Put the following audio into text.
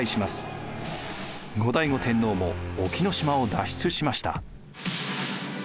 後醍醐天皇も隠岐島を脱出しました。